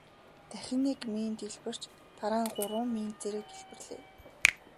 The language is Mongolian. Дахин нэг мин дэлбэрч дараа нь гурван мин зэрэг дэлбэрлээ.